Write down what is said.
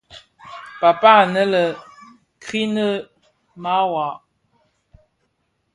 Paapaa anë lè Krine mawar.